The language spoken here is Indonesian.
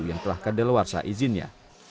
yang telah kedaluarsa izinnya